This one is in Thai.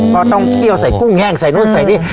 ก็ต้องเคี่ยวใส่กุ้งแห้งใส่นู่นใส่นี่